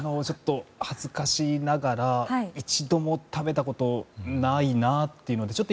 ちょっと恥ずかしながら一度も食べたことないなっていうのが。